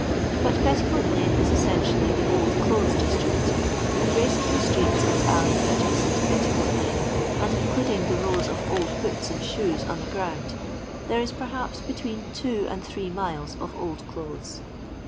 But Petticoat lane is essentially the old clothei district Embracing the streets and alleys adja cent to Petticoat lane, and including the rows of old boots and shoes on the ground, there it perhaps between two and three miles of old clothes.